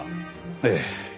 ええ。